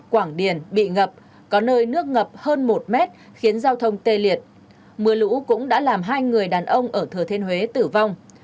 quảng điền bị ngập có nơi nước ngập hơn một mét khiến giao thông tê liệt mưa lũ cũng đã làm hai người đàn ông ở thừa thiên huế tử vong